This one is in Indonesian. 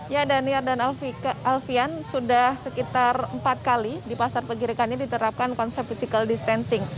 ya daniar dan alfian sudah sekitar empat kali di pasar pegirikan ini diterapkan konsep physical distancing